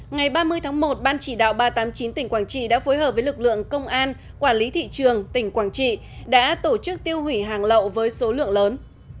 ngày ba mươi tháng một ban chỉ đạo ba trăm tám mươi chín tỉnh quảng trị đã phối hợp với lực lượng công an quản lý thị trường tỉnh quảng trị đã tổ chức tiêu hủy hàng lậu với số lượng lớn